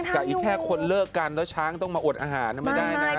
แต่อีกแค่คนเลิกกันแล้วช้างต้องมาอดอาหารไม่ได้นะ